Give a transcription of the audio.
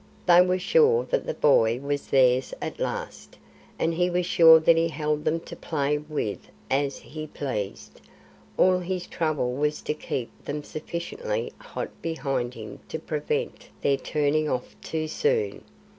They were sure that the boy was theirs at last, and he was sure that he held them to play with as he pleased. All his trouble was to keep them sufficiently hot behind him to prevent their turning off too soon.